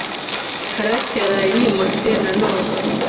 Karake yaraye yimutse na none.